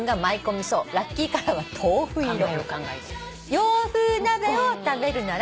「洋風鍋を食べるなら」